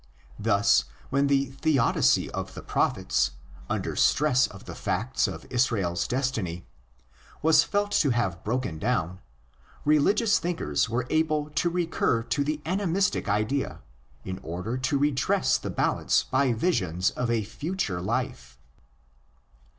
Thus, when the theodicy of the prophets, under stress of the facts of Israel's destiny, was felt to have broken down, religious thinkers were able to recur to the animistic idea, in order to redress the balance by visions of a future life.